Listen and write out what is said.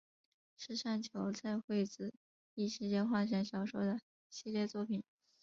是上桥菜穗子异世界幻想小说的系列作品。